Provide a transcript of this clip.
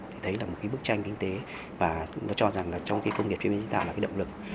thì đấy là một cái bức tranh kinh tế và nó cho rằng là trong cái công nghiệp chế biến tạo là cái động lực